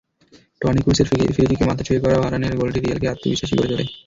Tony ক্রুসের ফ্রিকিকে মাথা ছুঁইয়ে করা ভারানের গোলটি রিয়ালকে আত্মবিশ্বাসী করে তোলে।